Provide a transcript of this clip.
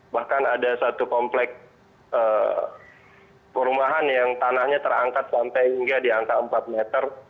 bahkan ada satu komplek perumahan yang tanahnya terangkat sampai hingga di angka empat meter